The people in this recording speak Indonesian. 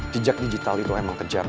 jejak digital itu emang kejar